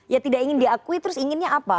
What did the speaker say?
ya tidak ingin diakui terus inginnya apa